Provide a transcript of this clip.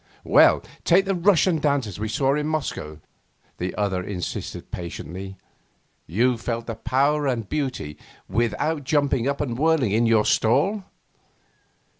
'Well, take the Russian dancers we saw in Moscow,' the other insisted patiently; 'you felt the power and beauty without jumping up and whirling in your stall?